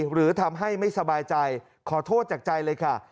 หรือทำให้ไม่สบายใจขอโทษจากใจเลยค่ะ